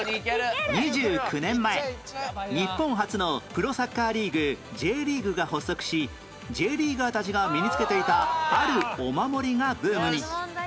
２９年前日本初のプロサッカーリーグ Ｊ リーグが発足し Ｊ リーガーたちが身に着けていたあるお守りがブームに